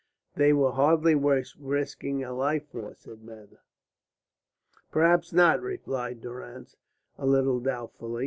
"They were hardly worth risking a life for," said Mather. "Perhaps not," replied Durrance, a little doubtfully.